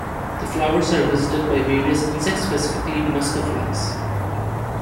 The flowers are visited by various insects, specifically "Musca" flies.